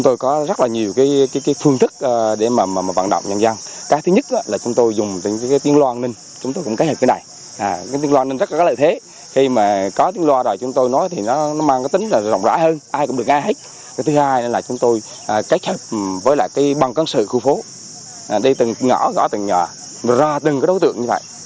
từ khu phố từng ngõ từng nhỏ từng đấu tượng như vậy